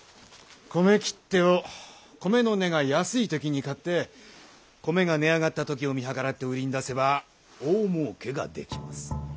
米切手を米の値が安いときに買って米が値上がったときを見計らって売りに出せば大もうけができます。